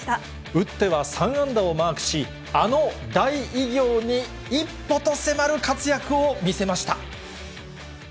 打っては３安打をマークし、あの大偉業に一歩と迫る活躍を見せました。